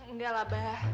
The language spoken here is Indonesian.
enggak lah ba